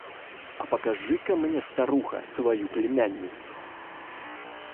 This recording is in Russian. – «А покажи-ка мне, старуха, свою племянницу».